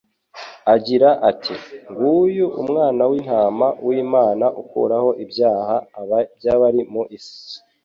agira ati : «Nguyu Umwana w''intama w'Imana ukuraho ibyaha by'abari mu isi.»